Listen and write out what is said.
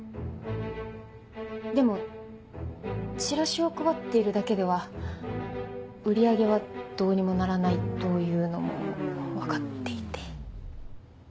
でもチラシを配っているだけでは売り上げはどうにもならないというのも分かっていて。